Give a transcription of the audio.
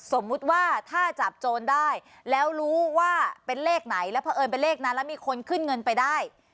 สมมุติว่าถ้าจับโจรได้แล้วรู้ว่าเป็นเลขไหนแล้วเพราะเอิญเป็นเลขนั้นแล้วมีคนขึ้นเงินไปได้